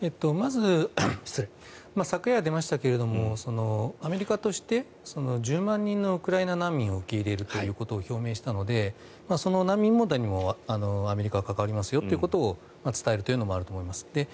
まず昨夜出ましたがアメリカとして１０万人のウクライナ難民を受け入れるということを表明したのでその難民問題にもアメリカは関わりますよということを伝えるというのもあると思います。